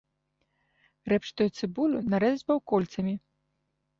Рэпчатую цыбулю нарэзаць паўкольцамі.